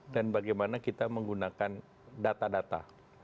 dan bagaimana kita menggunakan data data